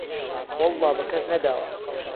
وهڵڵا به کهس نهداوه